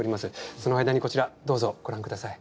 その間にこちらどうぞご覧下さい。